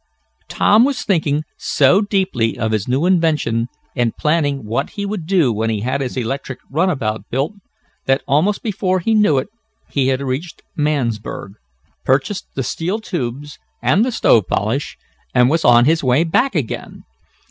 Tom was thinking so deeply of his new invention, and planning what he would do when he had his electric runabout built, that, almost before he knew it, he had reached Mansburg, purchased the steel tubes, and the stove polish, and was on his way back again.